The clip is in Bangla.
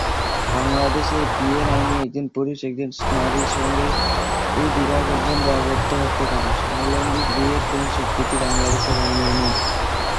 বাংলাদেশের বিয়ের আইনে একজন পুরুষ একজন নারীর সঙ্গেই বিবাহবন্ধনে আবদ্ধ হতে পারে, সমলৈঙ্গিক বিয়ের কোনো স্বীকৃতি বাংলাদেশের আইনে নেই।